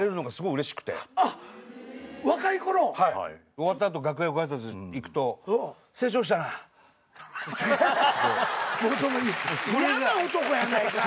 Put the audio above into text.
終わった後楽屋ご挨拶行くと「成長したなぁ」やな男やないかい。